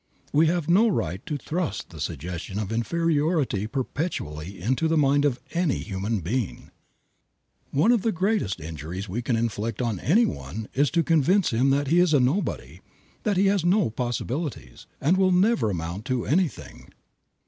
We have no right to thrust the suggestion of inferiority perpetually into the mind of any human being. One of the greatest injuries we can inflict on any one is to convince him that he is a nobody, that he has no possibilities, and will never amount to anything.